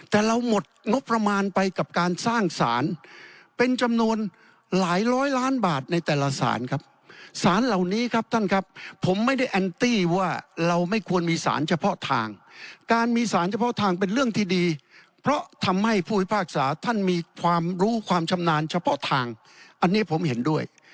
แต่เราหมดงบประมาณไปกับการสร้างสารเป็นจำนวนหลายร้อยล้านบาทในแต่ละสารครับสารเหล่านี้ครับท่านครับผมไม่ได้แอนตี้ว่าเราไม่ควรมีสารเฉพาะทางการมีสารเฉพาะทางเป็นเรื่องที่ดีเพราะทำให้ผู้พิพากษาท่านมีความรู้ความชำนาญเฉพาะทางอันนี้ผมเห็นด้วย